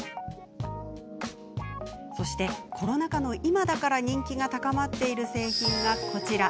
そしてコロナ禍の今だから人気が高まっている製品がこちら。